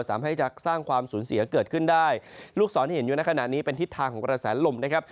สามารถให้จะสร้างความสูญเสียเกิดขึ้นได้ลูกศรที่เห็นอยู่ในขณะนี้เป็นทิศทางของกระแสลมนะครับ